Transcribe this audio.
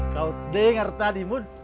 kau dengar tadi mun